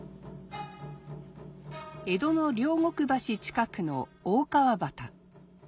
江戸の両国橋近くの大川端。